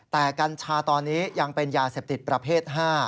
แต่กัญชาตอนนี้ยังเป็นยาเสพติดประเภท๕